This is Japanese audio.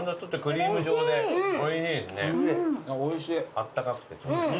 あったかくて。